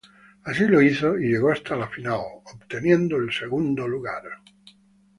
Así lo hizo, y llegó hasta la final, obteniendo el segundo lugar.